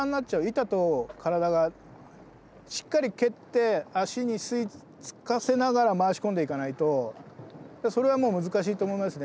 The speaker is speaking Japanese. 板と体がしっかり蹴って足に吸い付かせながら回し込んでいかないとそれはもう難しいと思いますね。